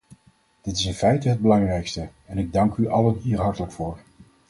Dat is in feite het belangrijkste, en ik dank u allen hier hartelijk voor.